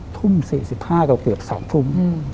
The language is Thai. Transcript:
ทุ่ม๔๕ก็เกือบ๒ทุ่ม